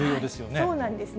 そうなんですね。